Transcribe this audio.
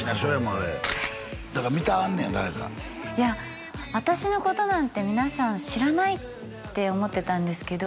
あれだから見てはんねん誰かいや私のことなんて皆さん知らないって思ってたんですけど